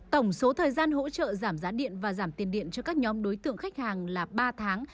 tổng số thời gian hỗ trợ giảm giá điện và giảm tiền điện cho các nhóm đối tượng khách hàng là ba tháng